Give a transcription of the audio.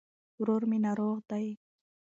ورور مي ناروغ دي